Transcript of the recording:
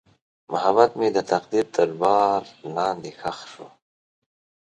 محبت مې د تقدیر تر بار لاندې ښخ شو.